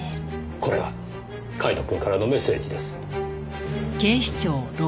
これはカイトくんからのメッセージです。